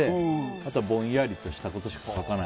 あとは、ぼんやりとしたことしか書かない。